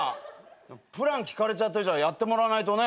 プラン聞かれちゃった以上はやってもらわないとね。